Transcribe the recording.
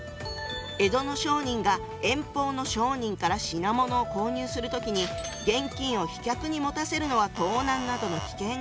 江戸の商人が遠方の商人から品物を購入する時に現金を飛脚に持たせるのは盗難などの危険があった。